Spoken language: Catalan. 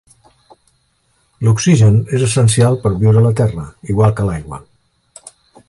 L'oxigen és essencial per viure a la Terra, igual que l'aigua.